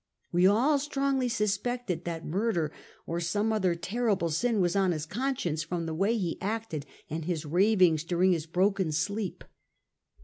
We all strongly suspected that murder or some other terrible sin was on his conscience from the way he acted and his ravings during his broken sleep.